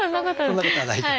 そんなことはないと。